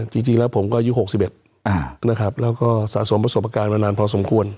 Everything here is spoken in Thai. จริงแล้วผมก็อายุ๖๑นะครับแล้วก็สะสมประสบการณ์มานานพอสมควร